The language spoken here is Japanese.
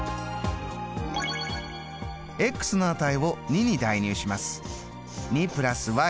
の値を２に代入します。